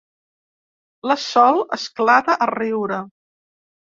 La Sol esclata a riure.